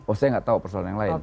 oh saya gak tau persoalan yang lain